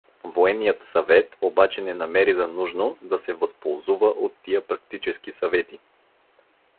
Военният съвет обаче не намери за нужно да се възползува от тия практически съвети.